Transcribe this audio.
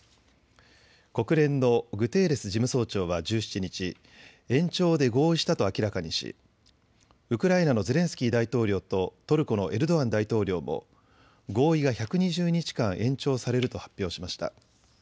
国連のグテーレス事務総長は１７日、延長で合意したと明らかにしウクライナのゼレンスキー大統領とトルコのエルドアン大統領も合意が１２０日間延長されると発表しました。